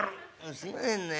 「すいませんねえ。